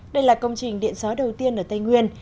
đây là công trình điện gió đầu tiên ở tây nguyên